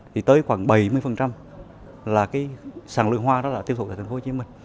thì tới khoảng bảy mươi là cái sàn lượng hoa đó là tiêu thụ tại tp hcm